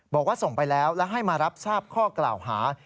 บอกว่าส่งไปแล้วและให้มารับทราบข้อกล่าวหา